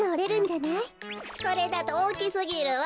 これだとおおきすぎるわ。